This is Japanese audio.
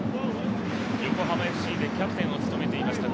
横浜ＦＣでキャプテンを務めていました、